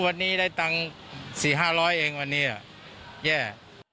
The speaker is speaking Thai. วันนี้ได้ตังค์๔๐๐๕๐๐บาทแต่วันนี้แย่